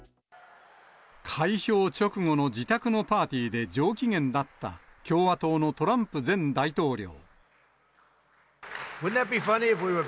開票直後の自宅のパーティーで、上機嫌だった共和党のトランプ前大統領。